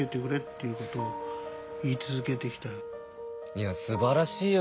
いやすばらしいよ。